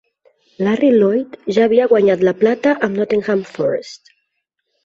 Larry Lloyd ja havia guanyat la plata amb Nottingham Forest.